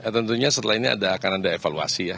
tentunya setelah ini akan ada evaluasi ya